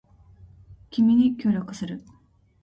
君に協力する